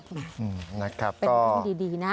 เป็นเรื่องดีนะ